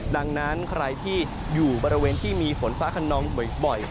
ดังนั้นใครที่อยู่บริเวณที่มีฝนฟ้าขนองบ่อย